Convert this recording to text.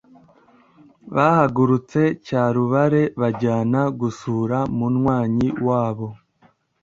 bahagurutse Cyarubare bajyana gusura munywanyi wabo